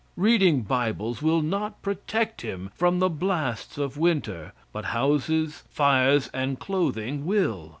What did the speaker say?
Reading bibles will not protect him from the blasts of winter, but houses, fires, and clothing will.